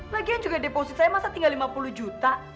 lagian juga deposito saya masih tinggal lima puluh juta